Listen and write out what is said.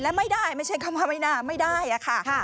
และไม่ได้ไม่ใช่คำว่าไม่น่าไม่ได้อะค่ะ